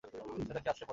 সোজা গিয়ে আছড়ে পড়েছে।